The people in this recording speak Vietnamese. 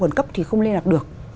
còn cấp thì không liên lạc được